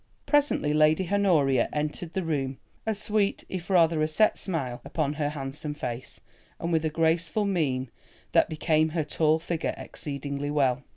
Presently Lady Honoria entered the room, a sweet, if rather a set smile upon her handsome face, and with a graceful mien, that became her tall figure exceedingly well.